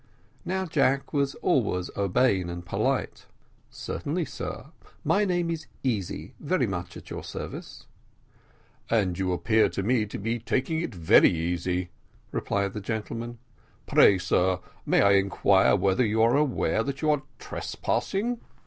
Now Jack was always urbane and polite. "Certainly, sir; my name is Easy, very much at your service." "And you appear to me to be taking it very easy," replied the gentleman. "Pray, sir, may I inquire whether you are aware that you are trespassing?"